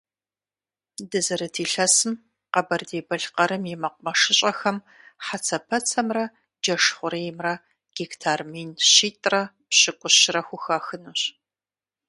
Дызэрыт илъэсым Къэбэрдей-Балъкъэрым и мэкъумэшыщӏэхэм хьэцэпэцэмрэ джэш хъуреймрэ гектар мин щитӏрэ пщыкӏущрэ хухахынущ.